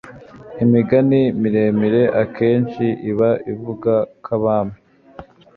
Imigani miremimire akenshi iba ivuga k' abami